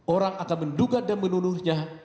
orang akan menduga dan menuduhnya